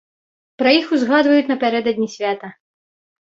Пра іх узгадваюць напярэдадні свята.